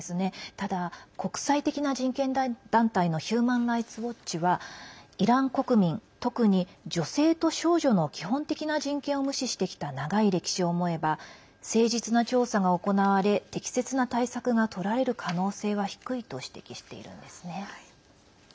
ただ、国際的な人権団体のヒューマン・ライツ・ウォッチはイラン国民、特に女性と少女の基本的な人権を無視してきた長い歴史を思えば誠実な調査が行われ適切な対策がとられる可能性は低いと指摘しているんですね。